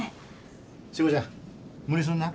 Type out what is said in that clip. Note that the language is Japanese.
しこちゃん無理すんな。